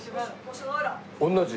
同じ。